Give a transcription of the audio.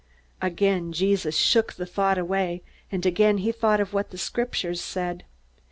_" Again Jesus shook the thought away, and again he thought of what the Scriptures said.